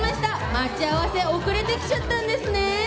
待ち合わせ遅れてきちゃったんですね。